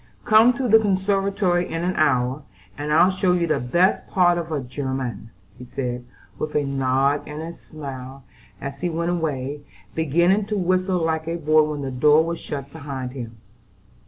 "Come to the conservatory in an hour, and I'll show you the best part of a 'German,'" he said, with a nod and a smile, as he went away, beginning to whistle like a boy when the door was shut behind him.